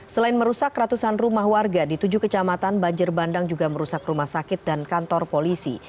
selain merusak ratusan rumah warga di tujuh kecamatan banjir bandang juga merusak rumah sakit dan kantor polisi